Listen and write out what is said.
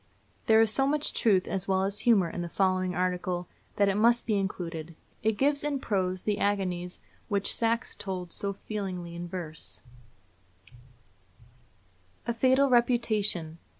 There is so much truth as well as humor in the following article, that it must be included. It gives in prose the agonies which Saxe told so feelingly in verse: A FATAL REPUTATION.